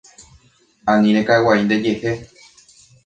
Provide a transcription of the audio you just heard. Ani rekaguai ndejehe.